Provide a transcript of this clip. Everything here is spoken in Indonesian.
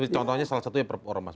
contohnya salah satunya perpu oromas